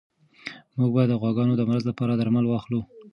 موږ به د غواګانو د مرض لپاره درمل واخلو.